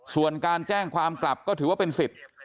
ส่วนการแจ้งความกลับก็ถือว่าเป็นสิทธิ์